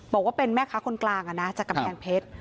บอกว่าเป็นแม่ค้าคนกลางจากกำแพงเพชร